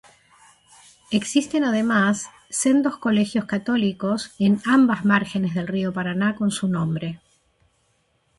Existen además sendos colegios católicos en ambas márgenes del río Paraná con su nombre.